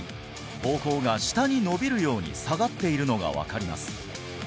膀胱が下に伸びるように下がっているのが分かります